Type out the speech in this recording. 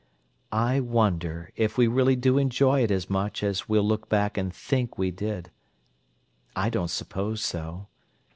"I wonder if we really do enjoy it as much as we'll look back and think we did! I don't suppose so.